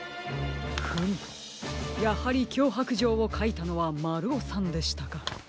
フムやはりきょうはくじょうをかいたのはまるおさんでしたか。